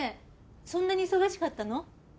そんなに忙しかったの？